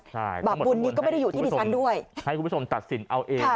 ใช่บาปบุญนี้ก็ไม่ได้อยู่ที่ดิฉันด้วยให้คุณผู้ชมตัดสินเอาเอง